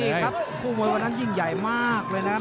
นี่ครับคู่มวยวันนั้นยิ่งใหญ่มากเลยนะครับ